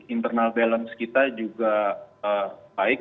internal balance kita juga baik